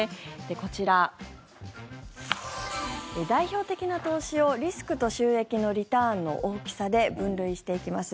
こちら、代表的な投資をリスクと収益のリターンの大きさで分類していきます。